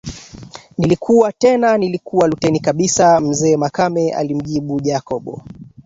Nilikuwa tena nilikuwa luteni kabisa mzee makame alimjibu Jacob